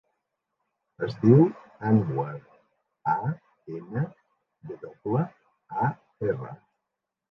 Es diu Anwar: a, ena, ve doble, a, erra.